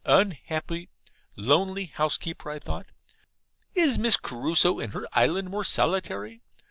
Unhappy, lonely housekeeper, I thought. Is Miss Crusoe in her island more solitary?